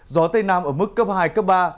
gió tây nam ở mức cấp hai cấp ba